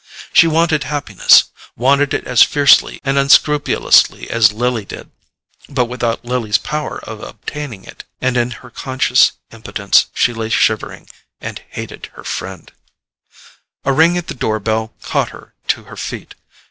She wanted happiness—wanted it as fiercely and unscrupulously as Lily did, but without Lily's power of obtaining it. And in her conscious impotence she lay shivering, and hated her friend—— A ring at the door bell caught her to her feet.